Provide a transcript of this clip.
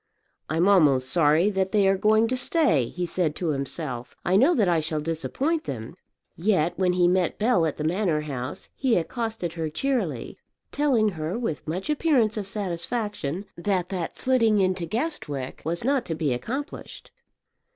"I'm almost sorry that they are going to stay," he said to himself; "I know that I shall disappoint them." Yet when he met Bell at the Manor House he accosted her cheerily, telling her with much appearance of satisfaction that that flitting into Guestwick was not to be accomplished.